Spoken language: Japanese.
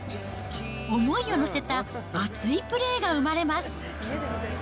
思いを乗せた熱いプレーが生まれます。